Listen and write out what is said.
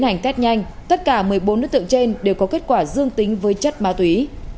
những bốn đối tượng trên đều có kết quả dương tính với chất ma túy